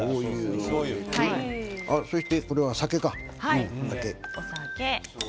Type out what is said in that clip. そしてこれは酒か。